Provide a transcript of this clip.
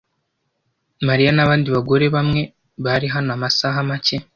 Mariya nabandi bagore bamwe bari hano amasaha make.